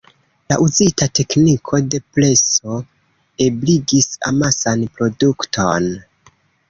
La uzita tekniko de preso ebligis amasan produkton.